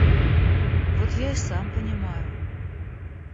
Вот я и сам понимаю.